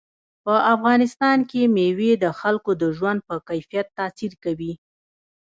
په افغانستان کې مېوې د خلکو د ژوند په کیفیت تاثیر کوي.